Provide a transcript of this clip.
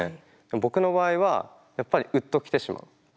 僕の場合はやっぱりウッときてしまう。